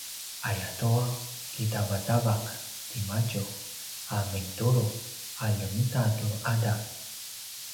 ayatua kitavatavak timadju a mintulu’ a ljemita tu ’adav